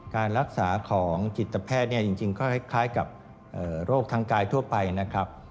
การรักษาของจิตแพทย์จริงก็คล้ายกับโรคทางกายทั่วไปนะครับ